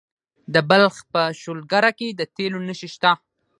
د بلخ په شولګره کې د تیلو نښې شته.